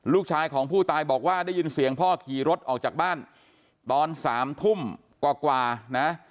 ลูกชายของผู้ตายบอกว่าได้ยินเสียงพ่อขี่รถออกจากบ้านตอน๓ทุ่มกว่านะ